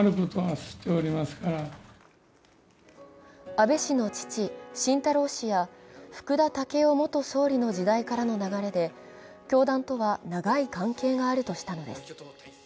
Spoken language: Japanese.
安倍氏の父・晋太郎氏や福田赳夫元総理の時代からの流れで教団とは長い関係があるとしたのです。